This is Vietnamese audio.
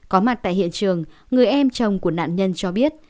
có mặt tại hiện trường người em chồng của nạn nhân cho biết